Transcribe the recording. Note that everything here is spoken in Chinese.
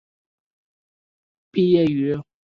毕业于香港中文大学政治与行政学系。